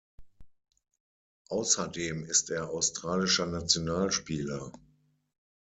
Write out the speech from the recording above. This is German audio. Außerdem ist er australischer Nationalspieler.